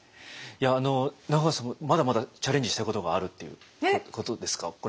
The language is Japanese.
いや中川さんもまだまだチャレンジしたいことがあるっていうことですか？